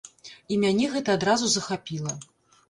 І мяне гэта адразу захапіла.